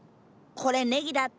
これネギだって。